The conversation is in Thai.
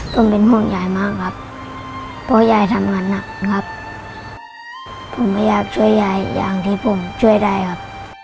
ผมเป็นห่วงยัยมากครับเมื่อพร้อม๑๙๗๕เลยครับครับเพราะว่ายังทำงานหนักครับผมไม่อยากช่วยยัยอย่างที่ที่ผมช่วยได้ครับ